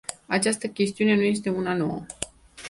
Această chestiune nu este una nouă.